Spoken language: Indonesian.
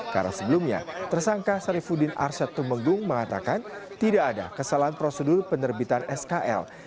karena sebelumnya tersangka sarifudin arsyad tumenggung mengatakan tidak ada kesalahan prosedur penerbitan skl